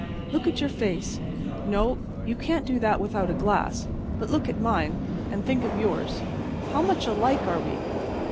Look at your face—no; you can't do that without a glass—but look at mine, and think of yours. How much alike are we?